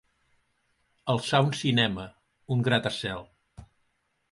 Alçar un cinema, un gratacel.